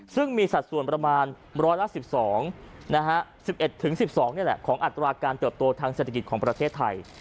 ซึ่งมีสัดส่วนประมาณร้อยละสิบสองนะฮะสิบเอ็ดถึงสิบสองเนี่ยแหละของอัตราการเติบโตทางเศรษฐกิจของประเทศไทย